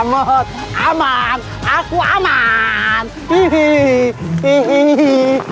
mau lari orang saya dipegangin